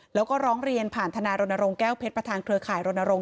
แล้วก็ร้องเรียนผ่านธนายรณรงค์แก้วเพชรประธานเครือข่ายรณรงค